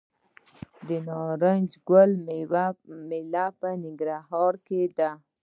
د نارنج ګل میله په ننګرهار کې ده.